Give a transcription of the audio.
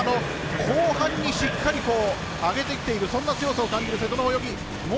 後半にしっかり上げてきているそんな強さを感じる瀬戸の泳ぎ。